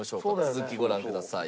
続きご覧ください。